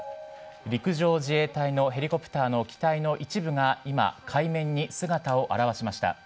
陸上自衛隊のヘリコプターの機体の一部が今、海面に姿を現しました。